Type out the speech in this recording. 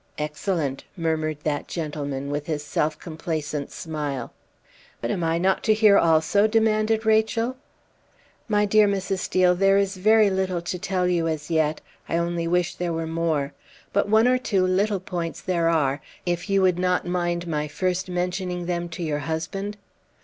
"Excellent!" murmured that gentleman, with his self complacent smile. "But am I not to hear also?" demanded Rachel. "My dear Mrs. Steel, there is very little to tell you as yet. I only wish there were more. But one or two little points there are if you would not mind my first mentioning them to your husband?"